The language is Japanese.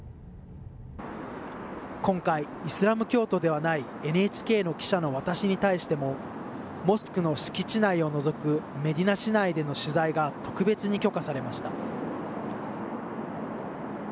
今回、イスラム教徒ではないＮＨＫの記者の私に対しても、モスクの敷地内を除くメディナ市内での取材が特別に許可されました。